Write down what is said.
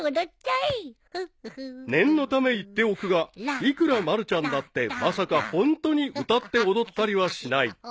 ［念のため言っておくがいくらまるちゃんだってまさかホントに歌って踊ったりはしない］